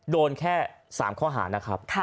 โดนแค่๓ข้อหานะครับ